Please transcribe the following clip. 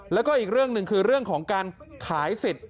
แล้วก็อีกเรื่องหนึ่งคือเรื่องของการขายสิทธิ์